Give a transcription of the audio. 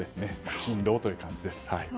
勤労という感じです。